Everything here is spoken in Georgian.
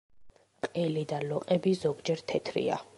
ყელი და ლოყები ზოგჯერ თეთრია.